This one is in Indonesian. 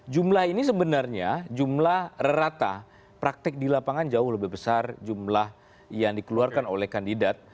jumlah ini sebenarnya jumlah rata praktek di lapangan jauh lebih besar jumlah yang dikeluarkan oleh kandidat